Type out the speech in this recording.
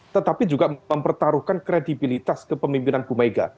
tetapi juga mempertaruhkan kredibilitas ke pemimpinan bumega